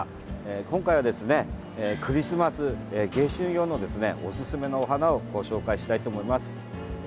今回はですね、クリスマス迎春用のおすすめの花をご紹介したいと思います。